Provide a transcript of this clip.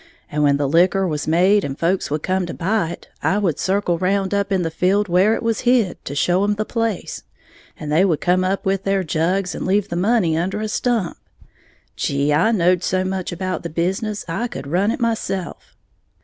And when the liquor was made, and folks would come to buy it, I would circle round up in the field where it was hid, to show 'em the place, and they would come up with their jugs and leave the money under a stump. Gee, I knowed so much about the business I could run it myself!"